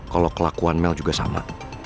kalau kelakuan mel juga sama